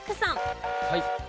はい。